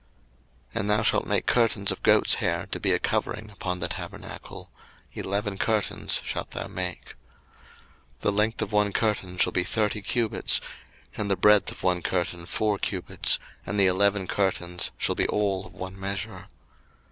02:026:007 And thou shalt make curtains of goats' hair to be a covering upon the tabernacle: eleven curtains shalt thou make. 02:026:008 The length of one curtain shall be thirty cubits, and the breadth of one curtain four cubits: and the eleven curtains shall be all of one measure.